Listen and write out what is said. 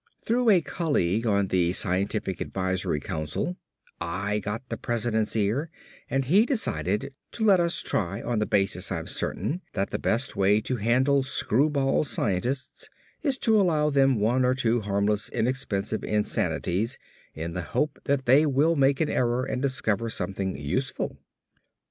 Through a colleague on the Scientific Advisory Council I got the President's ear and he decided to let us try, on the basis, I'm certain, that the best way to handle screwball scientists is to allow them one or two harmless, inexpensive insanities in the hope that they will make an error and discover something useful.